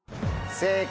正解！